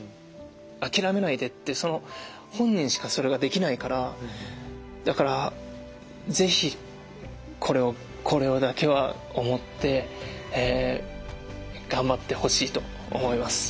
諦めないでってその本人しかそれができないからだから是非これをこれだけは思って頑張ってほしいと思います。